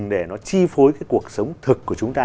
để nó chi phối cái cuộc sống thực của chúng ta